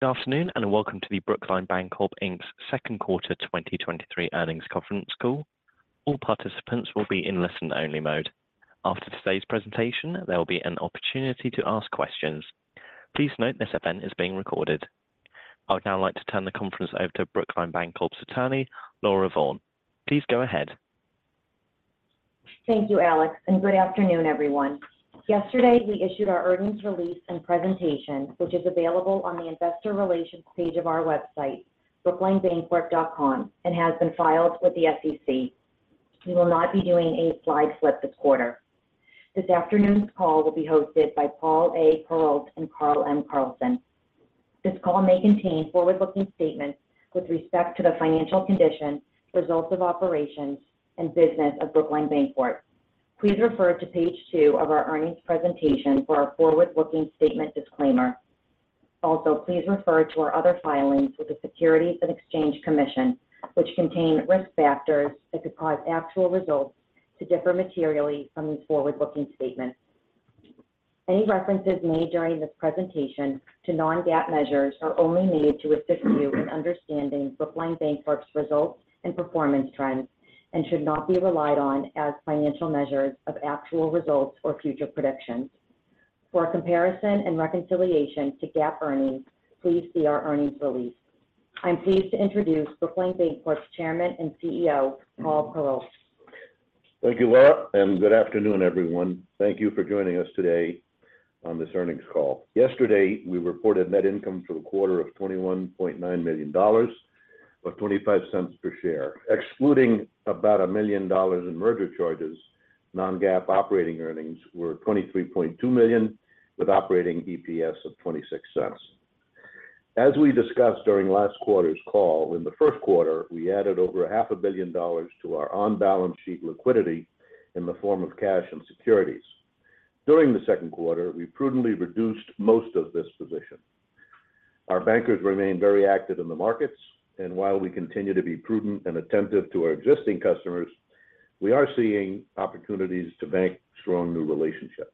Good afternoon, and welcome to the Brookline Bancorp Inc.'s second quarter 2023 earnings conference call. All participants will be in listen-only mode. After today's presentation, there will be an opportunity to ask questions. Please note, this event is being recorded. I would now like to turn the conference over to Brookline Bancorp's Attorney, Laura Vaughn. Please go ahead. Thank you, Alex. Good afternoon, everyone. Yesterday, we issued our earnings release and presentation, which is available on the investor relations page of our website, brooklinebancorp.com, and has been filed with the SEC. We will not be doing a slide flip this quarter. This afternoon's call will be hosted by Paul A. Perrault and Carl M. Carlson. This call may contain forward-looking statements with respect to the financial condition, results of operations, and business of Brookline Bancorp. Please refer to page two of our earnings presentation for our forward-looking statement disclaimer. Please refer to our other filings with the Securities and Exchange Commission, which contain risk factors that could cause actual results to differ materially from these forward-looking statements. Any references made during this presentation to non-GAAP measures are only made to assist you in understanding Brookline Bancorp's results and performance trends and should not be relied on as financial measures of actual results or future predictions. For a comparison and reconciliation to GAAP earnings, please see our earnings release. I'm pleased to introduce Brookline Bancorp's Chairman and CEO, Paul Perrault. Thank you, Laura, and good afternoon, everyone. Thank you for joining us today on this earnings call. Yesterday, we reported net income for the quarter of $21.9 million or $0.25 per share. Excluding about $1 million in merger charges, non-GAAP operating earnings were $23.2 million, with operating EPS of $0.26. As we discussed during last quarter's call, in first quarter, we added over half a billion dollars to our on-balance sheet liquidity in the form of cash and securities. During the second quarter, we prudently reduced most of this position. Our bankers remain very active in the markets, and while we continue to be prudent and attentive to our existing customers, we are seeing opportunities to bank strong new relationships.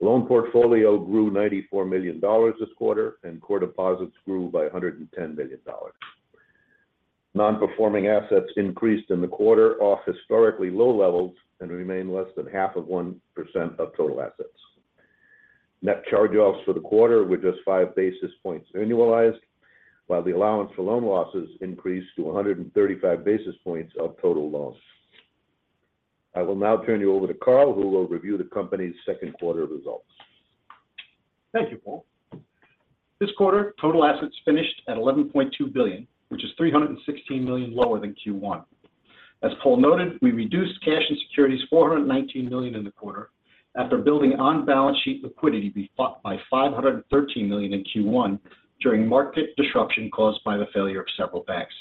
Loan portfolio grew $94 million this quarter, and core deposits grew by $110 million. Non-performing assets increased in the quarter off historically low levels and remain less than half of one percent of total assets. Net charge-offs for the quarter were just 5 basis points annualized, while the allowance for loan losses increased to 135 basis points of total loans. I will now turn you over to Carl, who will review the company's second quarter results. Thank you, Paul. This quarter, total assets finished at $11.2 billion, which is $316 million lower than first quarter. As Paul noted, we reduced cash and securities $419 million in the quarter after building on-balance sheet liquidity by $513 million in first quarter during market disruption caused by the failure of several banks.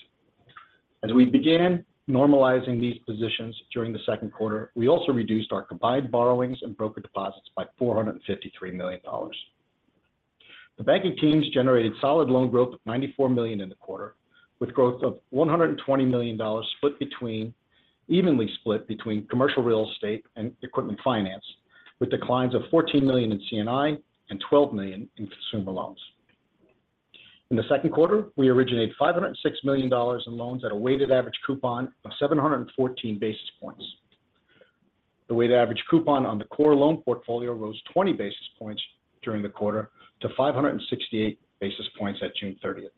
As we began normalizing these positions during the second quarter, we also reduced our combined borrowings and broker deposits by $453 million. The banking teams generated solid loan growth of $94 million in the quarter, with growth of $120 million evenly split between commercial real estate and equipment finance, with declines of $14 million in C&I and $12 million in consumer loans. In the second quarter, we originated $506 million in loans at a weighted average coupon of 714 basis points. The weighted average coupon on the core loan portfolio rose 20 basis points during the quarter to 568 basis points at June 30th.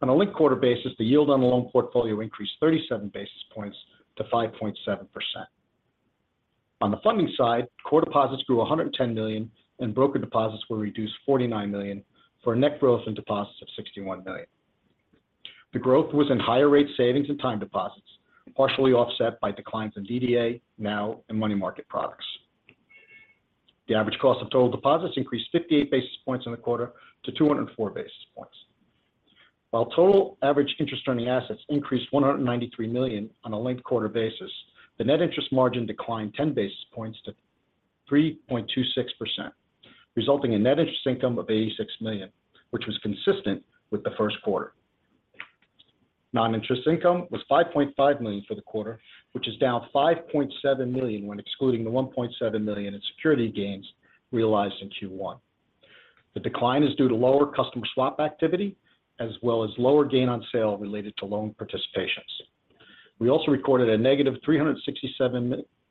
On a linked-quarter basis, the yield on the loan portfolio increased 37 basis points to 5.7%. On the funding side, core deposits grew $110 million, and broker deposits were reduced $49 million for a net growth in deposits of $61 million. The growth was in higher rate savings and time deposits, partially offset by declines in DDA, NOW, and money market products. The average cost of total deposits increased 58 basis points in the quarter to 204 basis points. While total average interest earning assets increased $193 million on a linked-quarter basis, the net interest margin declined 10 basis points to 3.26%, resulting in net interest income of $86 million, which was consistent with the first quarter. Non-interest income was $5.5 million for the quarter, which is down $5.7 million when excluding the $1.7 million in security gains realized in Q1. The decline is due to lower customer swap activity, as well as lower gain on sale related to loan participations. We also recorded a negative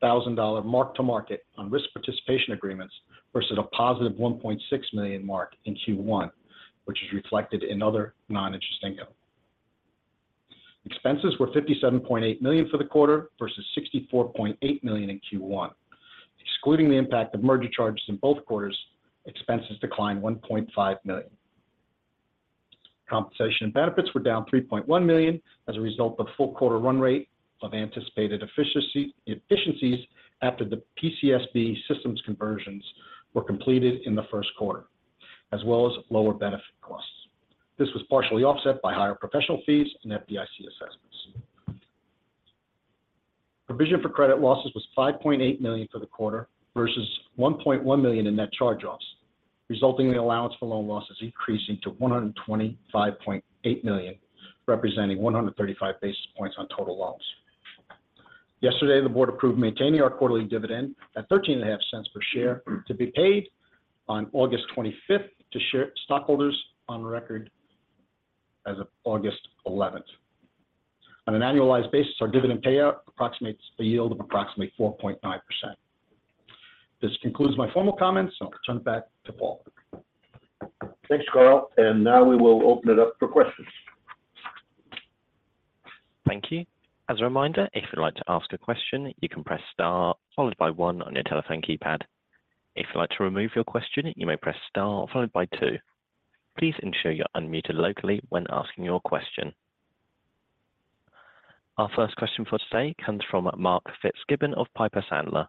$367,000 mark to market on risk participation agreements versus a positive $1.6 million mark in Q1 which is reflected in other non-interest income. Expenses were $57.8 million for the quarter versus $64.8 million in Q1 Excluding the impact of merger charges in both quarters, expenses declined $1.5 million. Compensation and benefits were down $3.1 million as a result of a full quarter run rate of anticipated efficiencies after the PCSB systems conversions were completed in the first quarter, as well as lower benefit costs. This was partially offset by higher professional fees and FDIC assessments. Provision for credit losses was $5.8 million for the quarter, versus $1.1 million in net charge-offs, resulting in the allowance for loan losses increasing to $125.8 million, representing 135 basis points on total loans. Yesterday, the board approved maintaining our quarterly dividend at $0.135 per share, to be paid on August 25th, to stockholders on record as of August 11th. On an annualized basis, our dividend payout approximates a yield of approximately 4.9%. This concludes my formal comments. I'll turn it back to Paul. Thanks, Carl. Now we will open it up for questions. Thank you. As a reminder, if you'd like to ask a question, you can press star, followed by one on your telephone keypad. If you'd like to remove your question, you may press star, followed by two. Please ensure you're unmuted locally when asking your question. Our first question for today comes from Mark Fitzgibbon of Piper Sandler.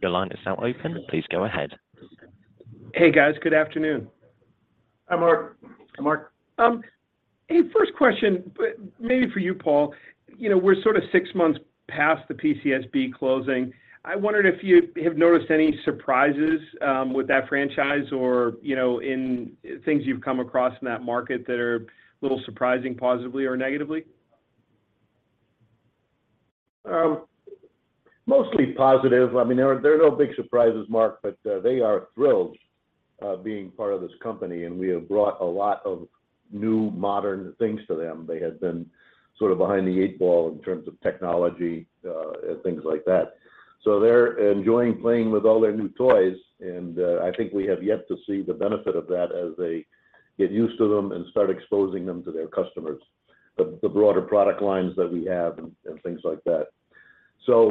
Your line is now open. Please go ahead. Hey, guys. Good afternoon. Hi, Mark. Hi, Mark. Hey, first question, but maybe for you, Paul. You know, we're sort of six months past the PCSB closing. I wondered if you have noticed any surprises with that franchise or, you know, in things you've come across in that market that are a little surprising, positively or negatively? Mostly positive. I mean, there are no big surprises, Mark, but they are thrilled being part of this company, and we have brought a lot of new modern things to them. They had been sort of behind the eight ball in terms of technology and things like that. They're enjoying playing with all their new toys, and I think we have yet to see the benefit of that as they get used to them and start exposing them to their customers. The broader product lines that we have and things like that.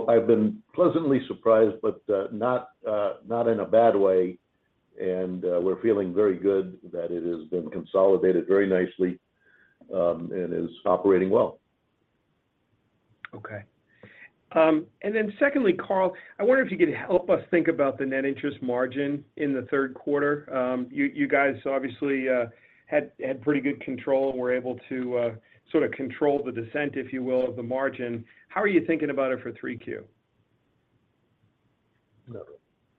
I've been pleasantly surprised, but not in a bad way, and we're feeling very good that it has been consolidated very nicely and is operating well. Okay. Secondly, Carl, I wonder if you could help us think about the net interest margin in the third quarter. You guys obviously, had pretty good control and were able to, sort of control the descent, if you will, of the margin. How are you thinking about it for three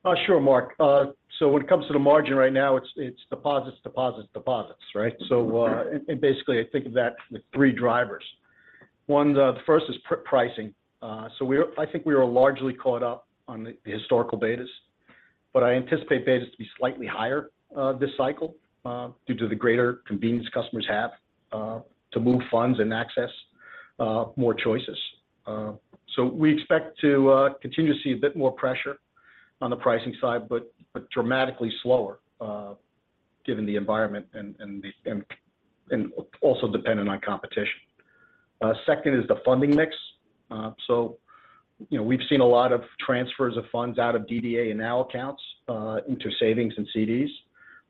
Q? Sure, Mark. When it comes to the margin right now, it's deposits, deposits, deposits, right? And basically, I think of that with three drivers. One, the first is pricing. I think we are largely caught up on the historical betas, but I anticipate betas to be slightly higher this cycle due to the greater convenience customers have to move funds and access more choices. We expect to continue to see a bit more pressure on the pricing side, but dramatically slower given the environment and also dependent on competition. Second is the funding mix. You know, we've seen a lot of transfers of funds out of DDA and NOW accounts into savings and CDs.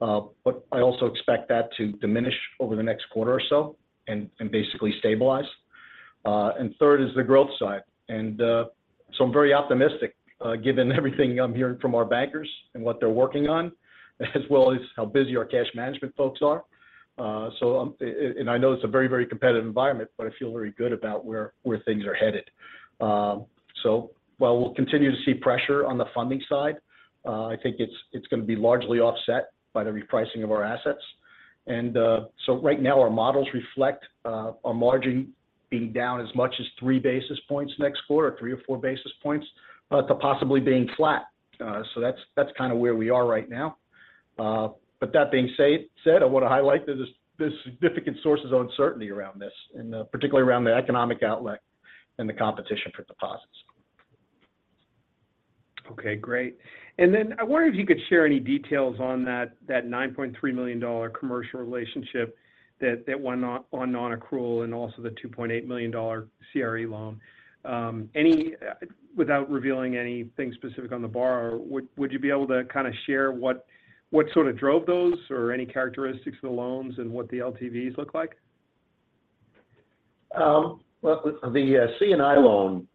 I also expect that to diminish over the next quarter or so and basically stabilize. Third is the growth side, I'm very optimistic given everything I'm hearing from our bankers and what they're working on, as well as how busy our cash management folks are. I know it's a very, very competitive environment, I feel very good about where things are headed. While we'll continue to see pressure on the funding side, I think it's going to be largely offset by the repricing of our assets. Right now, our models reflect, our margin being down as much as three basis points next quarter, or three or four basis points, to possibly being flat. That's kind of where we are right now. That being said, I want to highlight there's significant sources of uncertainty around this, and, particularly around the economic outlet and the competition for deposits. Okay, great. I wonder if you could share any details on that $9.3 million commercial relationship that went on nonaccrual and also the $2.8 million CRE loan. Without revealing anything specific on the borrower, would you be able to kind of share what sort of drove those or any characteristics of the loans and what the LTVs look like? Well, the C&I loan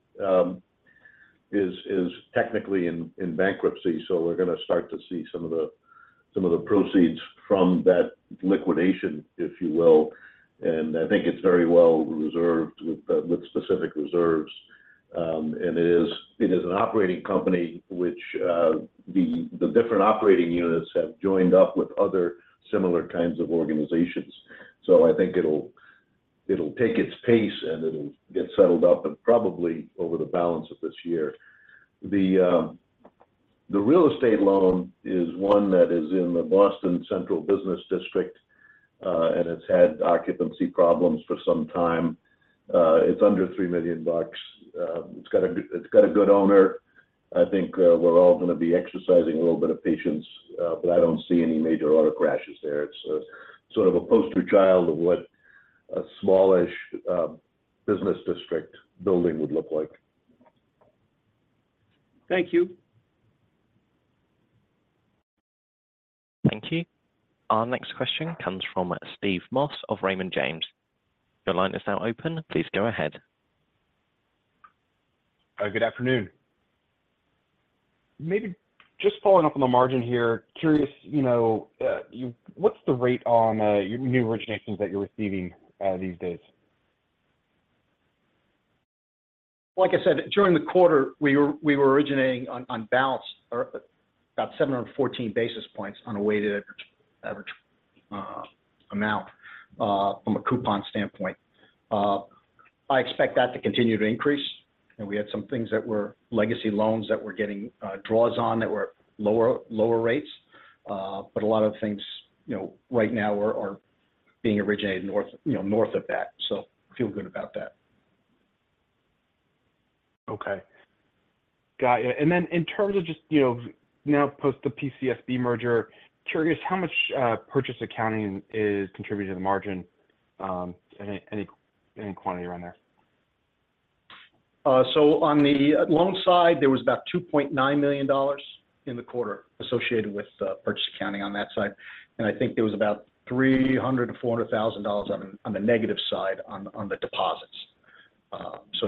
is technically in bankruptcy, so we're going to start to see some of the proceeds from that liquidation, if you will, and I think it's very well reserved with specific reserves. It is an operating company which the different operating units have joined up with other similar kinds of organizations. I think it'll take its pace, and it'll get settled up, but probably over the balance of this year. The real estate loan is one that is in the Boston Central Business District, and it's had occupancy problems for some time. It's under $3 million. It's got a good owner. I think, we're all going to be exercising a little bit of patience, but I don't see any major auto crashes there. It's a sort of a poster child of what a smallish, business district building would look like. Thank you. Thank you. Our next question comes from Steve Moss of Raymond James. Your line is now open. Please go ahead. Good afternoon. Maybe just following up on the margin here, curious, you know, what's the rate on your new originations that you're receiving these days? Like I said, during the quarter, we were originating on, on balance or about 714 basis points on a weighted average amount from a coupon standpoint. I expect that to continue to increase, and we had some things that were legacy loans that were getting draws on that were lower, lower rates. A lot of things, you know, right now are being originated north, you know, north of that. I feel good about that. Okay. Got it. Then in terms of just, you know, now post the PCSB merger, curious how much purchase accounting is contributing to the margin, any quantity around there? On the loan side, there was about $2.9 million in the quarter associated with the purchase accounting on that side, and I think there was about $300,000-$400,000 on the negative side on the deposits.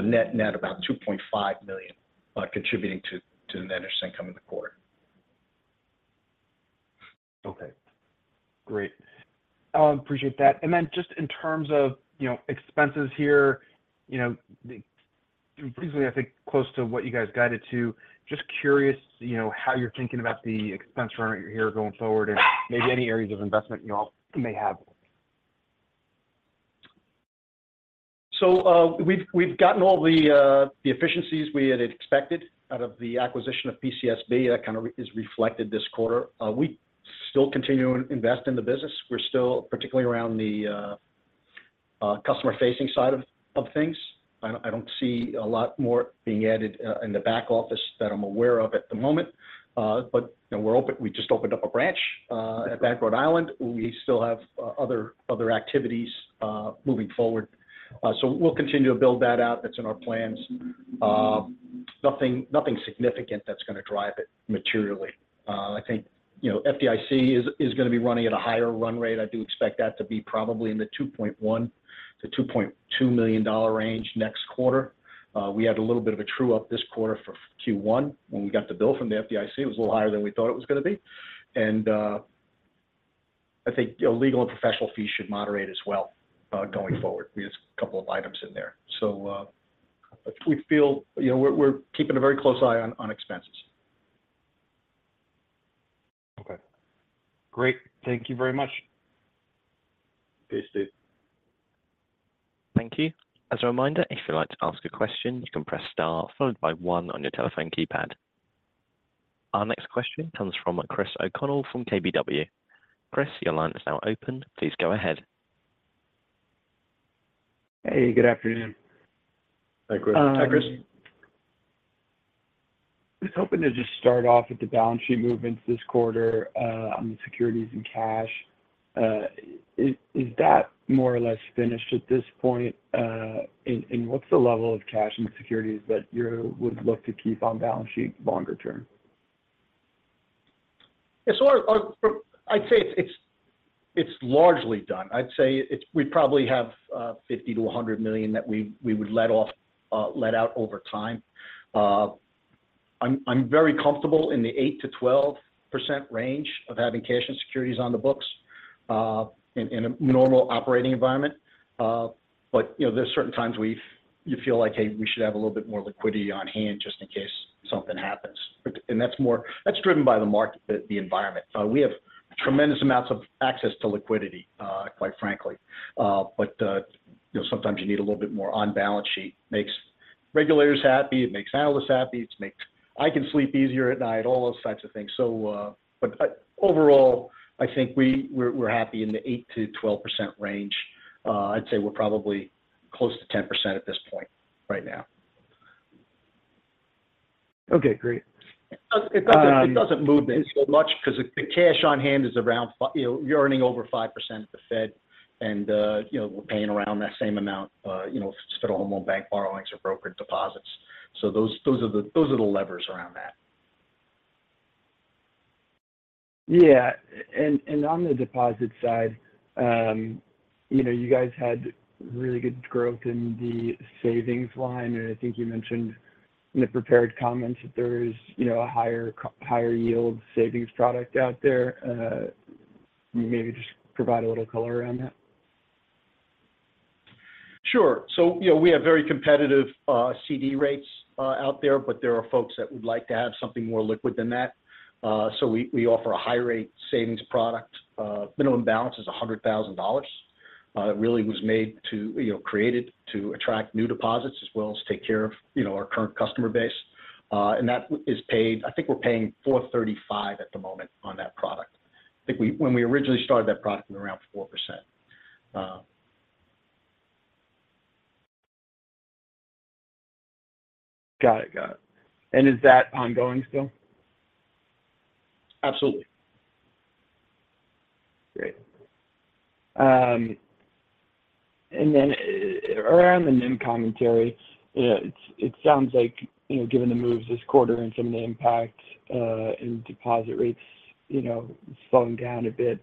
Net, net about $2.5 million contributing to the net interest income in the second quarter. Okay, great. appreciate that. Just in terms of, you know, expenses here, you know, briefly, I think close to what you guys guided to, just curious, you know, how you're thinking about the expense run rate here going forward and maybe any areas of investment you all may have? We've gotten all the efficiencies we had expected out of the acquisition of PCSB. That kind of is reflected this quarter. We still continue to invest in the business. We're still, particularly around the customer-facing side of things. I don't see a lot more being added in the back office that I'm aware of at the moment. But, you know, we just opened up a branch at Bank Rhode Island. We still have other activities moving forward. We'll continue to build that out. That's in our plans. Nothing significant that's going to drive it materially. I think, you know, FDIC is going to be running at a higher run rate. I do expect that to be probably in the $2.1 million-$2.2 million range next quarter. We had a little bit of a true-up this quarter for Q1. When we got the bill from the FDIC, it was a little higher than we thought it was going to be. I think, you know, legal and professional fees should moderate as well going forward. We have a couple of items in there. We feel, you know, we're keeping a very close eye on expenses. Okay. Great. Thank you very much. Thanks, Steve. Thank you. As a reminder, if you'd like to ask a question, you can press star followed by one on your telephone keypad. Our next question comes from Chris O'Connell from KBW. Chris, your line is now open. Please go ahead. Hey, good afternoon. Hi, Chris. Hi, Chris. Just hoping to start off with the balance sheet movements this quarter, on the securities and cash. Is that more or less finished at this point? What's the level of cash and securities that you would look to keep on balance sheet longer term? I'd say it's largely done. We probably have $50 million-$100 million that we would let off, let out over time. I'm very comfortable in the 8%-12% range of having cash and securities on the books in a normal operating environment. You know, there are certain times you feel like, "Hey, we should have a little bit more liquidity on hand just in case something happens." That's more, that's driven by the market, the environment. We have tremendous amounts of access to liquidity, quite frankly. You know, sometimes you need a little bit more on balance sheet. Makes regulators happy, it makes analysts happy, I can sleep easier at night, all those types of things. Overall, I think we're happy in the 8%-12% range. I'd say we're probably close to 10% at this point, right now. Okay, great. It doesn't move the needle much because the cash on hand is around five you know, you're earning over 5% at the Fed, and you know, we're paying around that same amount, you know, Federal Home Loan Bank borrowings or brokered deposits. Those are the levers around that. Yeah. On the deposit side, you know, you guys had really good growth in the savings line, and I think you mentioned in the prepared comments that there's, you know, a higher, higher yield savings product out there. Maybe just provide a little color around that? Sure. You know, we have very competitive CD rates out there, but there are folks that would like to have something more liquid than that. We offer a high rate savings product. Minimum balance is $100,000. It really was made to, you know, created to attract new deposits as well as take care of, you know, our current customer base. I think we're paying 4.35% at the moment on that product. I think when we originally started that product, it was around 4%. Got it. Got it. Is that ongoing still? Absolutely. Great. Around the NIM commentary, it sounds like, you know, given the moves this quarter and some of the impact in deposit rates, you know, slowing down a bit,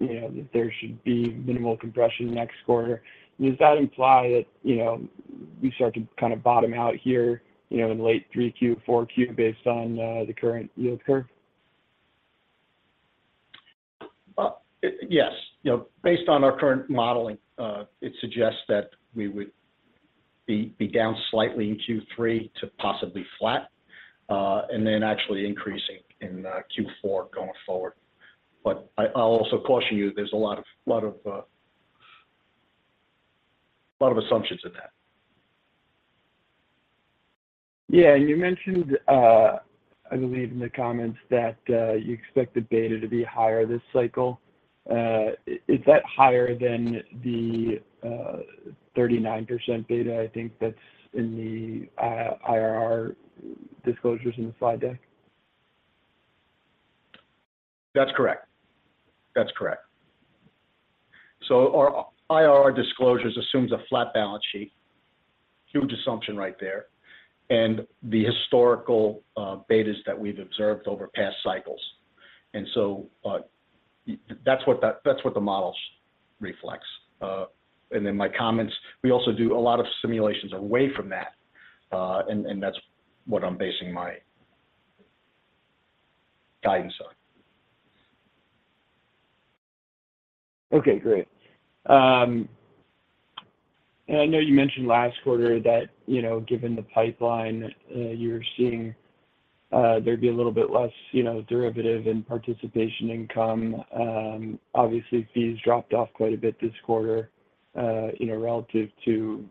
you know, that there should be minimal compression next quarter. Does that imply that, you know, we start to kind of bottom out here, you know, in late Q3, Q4, based on the current yield curve? Yes. You know, based on our current modeling, it suggests that we would be down slightly in Q3 to possibly flat, and then actually increasing in that Q4 going forward. I'll also caution you, there's a lot of assumptions in that. Yeah. You mentioned, I believe in the comments that, you expect the beta to be higher this cycle. Is that higher than the 39% beta, I think that's in the IRR disclosures in the slide deck? That's correct. That's correct. Our IRR disclosures assumes a flat balance sheet, huge assumption right there, and the historical betas that we've observed over past cycles. That's what the models reflects. My comments, we also do a lot of simulations away from that, and that's what I'm basing my guidance on. Okay, great. I know you mentioned last quarter that, you know, given the pipeline, you're seeing, there'd be a little bit less, you know, derivative in participation income. Obviously, fees dropped off quite a bit this quarter, you know, relative to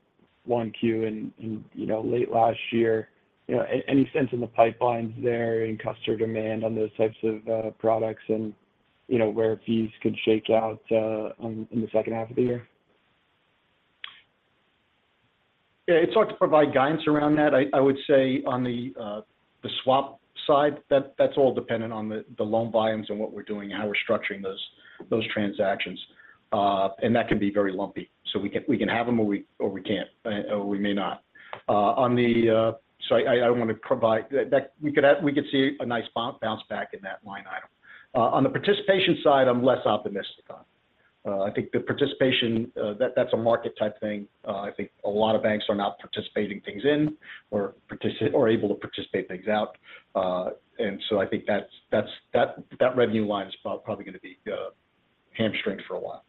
1Q in, you know, late last year. You know, any sense in the pipelines there in customer demand on those types of products and, you know, where fees could shake out in the second half of the year? Yeah, it's hard to provide guidance around that. I, I would say on the, the swap side, that's all dependent on the, the loan volumes and what we're doing, how we're structuring those, those transactions. That can be very lumpy. We can have them or we, or we can't, or we may not. I wouldn't want to provide. We could see a nice bounce back in that line item. On the participation side, I'm less optimistic on. I think the participation, that's a market type thing. I think a lot of banks are not participating things in or able to participate things out. I think that's that revenue line is probably going to be hamstrung for a while.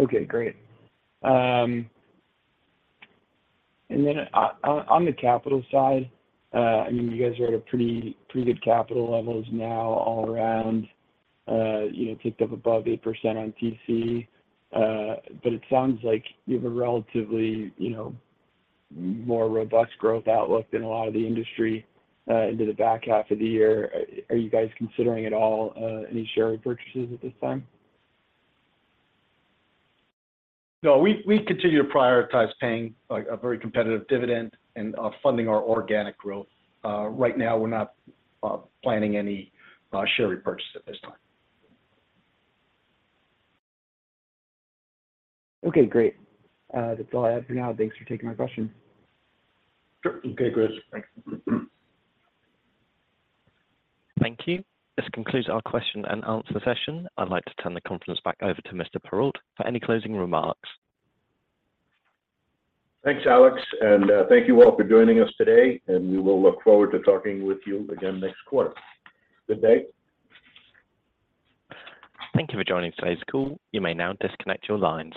Okay, great. On the capital side, I mean, you guys are at a pretty good capital levels now all around, you know, ticked up above 8% on TC. It sounds like you have a relatively, you know, more robust growth outlook than a lot of the industry into the back half of the year. Are you guys considering at all, any share repurchases at this time? No, we continue to prioritize paying, like, a very competitive dividend and funding our organic growth. Right now, we're not planning any share repurchase at this time. Okay, great. That's all I have for now. Thanks for taking my question. Sure. Okay, great. Thanks. Thank you. This concludes our question and answer session. I'd like to turn the conference back over to Mr. Perrault for any closing remarks. Thanks, Alex, and thank you all for joining us today, and we will look forward to talking with you again next quarter. Good day. Thank you for joining today's call. You may now disconnect your lines.